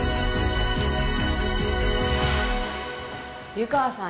湯川さん